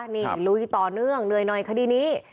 นี่ลุยต่อเนื่องเนื่อยคดีนี้